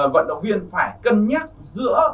vận động viên phải cân nhắc giữa